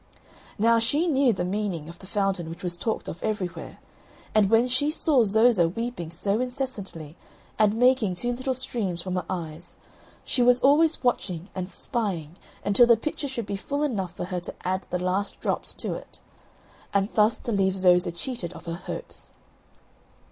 Now she knew the meaning of the fountain which was talked of everywhere; and when she saw Zoza weeping so incessantly, and making two little streams from her eyes, she was always watching and spying until the pitcher should be full enough for her to add the last drops to it; and thus to leave Zoza cheated of her hopes.